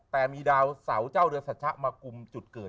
แต่มีดาวเสาเจ้าเรือสัชชะมากุมจุดเกิด